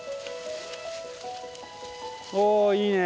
おいいね。